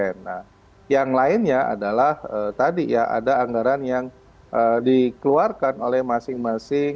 nah yang lainnya adalah tadi ya ada anggaran yang dikeluarkan oleh masing masing